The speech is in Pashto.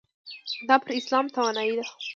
دا پر اسلام توانایۍ ده.